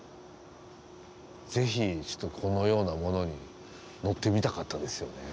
ぜひちょっとこのようなものに乗ってみたかったですよね